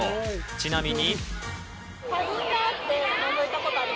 ちなみに。